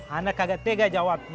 anak kagak tega jawabnya